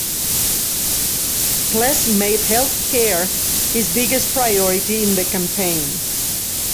Klees made healthcare his biggest priority in the campaign.